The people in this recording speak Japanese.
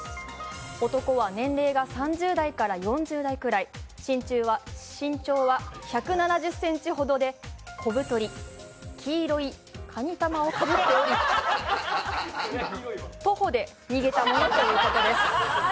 男は年齢が３０代から４０代くらい、身長は１７０ｃｍほどで小太り、黄色いカニ玉をかぶっており、徒歩で逃げたものということです。